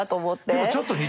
でもちょっと似てない？